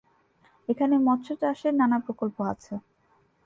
এখানে মৎস্য চাষের নানা প্রকল্প আছে।